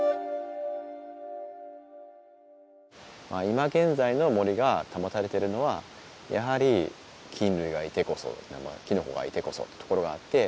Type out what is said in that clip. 今現在の森が保たれてるのはやはり菌類がいてこそきのこがいてこそというところがあって。